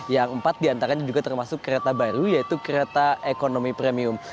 yang empat diantaranya juga termasuk kereta baru yaitu kereta ekonomi premium